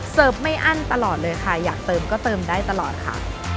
ไม่อั้นตลอดเลยค่ะอยากเติมก็เติมได้ตลอดค่ะ